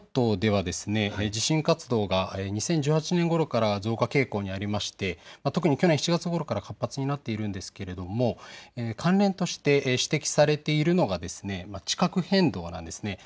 こちら能登半島では地震活動が２０１８年ごろから増加傾向にありまして特に去年７月ごろから活発になっているんですけれども関連として指摘されているのが地殻変動なんです。